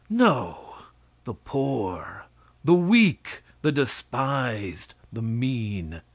No; the poor, the weak, the despised, the mean.